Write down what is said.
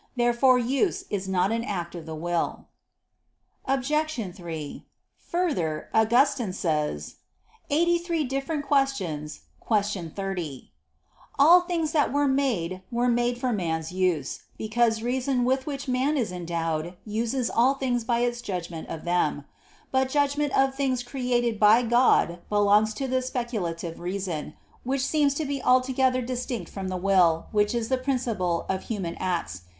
Therefore use is not an act of the will. Obj. 3: Further, Augustine says (QQ. 83, qu. 30): "All things that were made were made for man's use, because reason with which man is endowed uses all things by its judgment of them." But judgment of things created by God belongs to the speculative reason; which seems to be altogether distinct from the will, which is the principle of human acts.